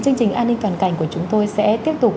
chương trình an ninh toàn cảnh của chúng tôi sẽ tiếp tục